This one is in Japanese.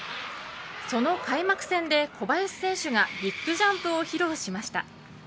その開幕戦で、小林選手がビッグジャンプを披露しました。